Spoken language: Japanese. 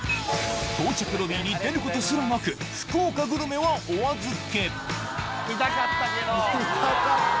到着ロビーに出ることすらなく福岡グルメはおあずけ見たかった！